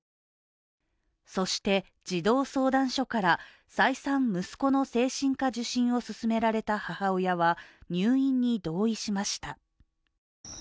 そして、児童相談所から再三息子の精神科受診を勧められた母親は、入院に同意しました。